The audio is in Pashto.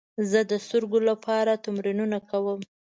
زه د سترګو لپاره تمرینونه کوم.